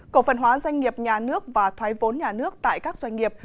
cổ phần hóa doanh nghiệp nhà nước và thoái vốn nhà nước tại các doanh nghiệp